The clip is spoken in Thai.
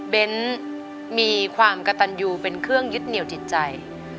มีความกระตันยูเป็นเครื่องยึดเหนียวจิตใจ